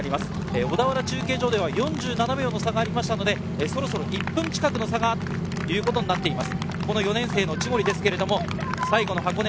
小田原中継所では４７秒の差がありましたから、そろそろ１分近くの差が、ということになっています。